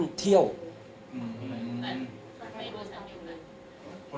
คุณพูดไว้แล้วตั้งแต่ต้นใช่ไหมคะ